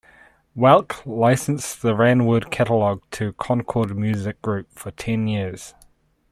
Welk licensed the Ranwood catalog to Concord Music Group for ten years.